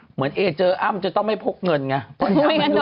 เหมือนเอเจออ้ำจะต้องไม่พกเงินไง